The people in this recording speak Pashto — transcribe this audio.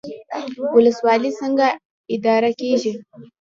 ولسوالۍ څنګه اداره کیږي؟